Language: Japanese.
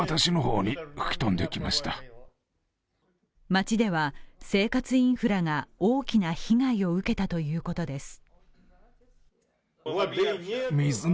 街では生活インフラが大きな被害を受けたということです。